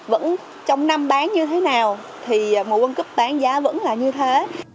vẫn trong năm bán như thế nào thì mẫu vân cấp bán giá vẫn là như thế